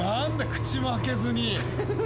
口も開けずに。